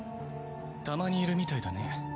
たまにいるみたいだね。